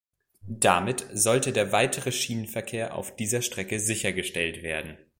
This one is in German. Damit sollte der weitere Schienenverkehr auf dieser Strecke sichergestellt werden.